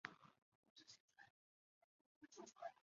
向地震男死者的家庭致哀。